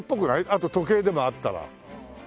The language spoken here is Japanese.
あと時計でもあったら。